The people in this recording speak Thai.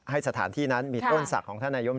ให้สถานที่นั้นมีต้นศักดิ์ของธนายยก